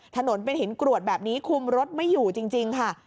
ถนนเป็นหินกรวดแบบนี้คุมรถไม่อยู่จริงค่ะ